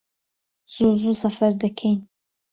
زوو زوو سەفەر دەکەین